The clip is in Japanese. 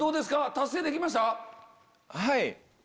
達成できました？